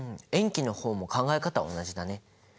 塩基の方も考え方は同じだね。